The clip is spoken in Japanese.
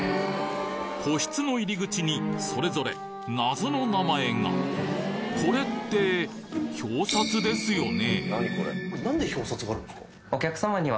個室の入り口にそれぞれ謎の名前がこれって表札ですよね？